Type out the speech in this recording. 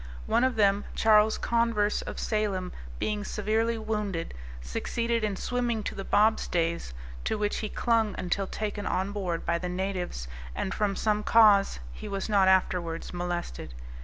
One of them, Charles Converse, of Salem, being severely wounded, succeeded in swimming to the bobstays, to which he clung until taken on board by the natives, and from some cause he was not afterwards molested.